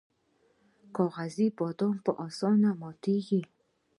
کاغذي بادام په اسانۍ ماتیږي.